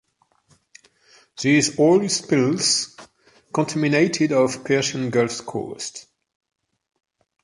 These oil spills contaminated of Persian Gulf coast.